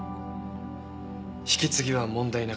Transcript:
引き継ぎは問題なかった。